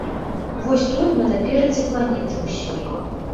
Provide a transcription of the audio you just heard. Вось тут мы наперадзе планеты ўсёй.